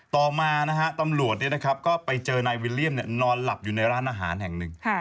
ต่อมานะฮะตำรวจก็ไปเจอนายวิลเลี่ยมนอนหลับอยู่ในร้านอาหารแห่งหนึ่ง